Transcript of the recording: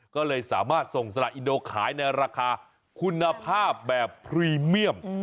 ก็เลยสามารถส่งสละอินโดขายในราคาคุณภาพแบบพรีเมียม